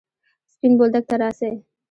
سپين بولدک ته راسئ!